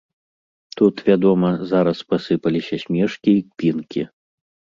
Тут, вядома, зараз пасыпаліся смешкі і кпінкі.